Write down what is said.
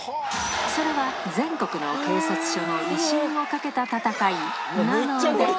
それは全国の警察署の威信をかけた戦い、なので。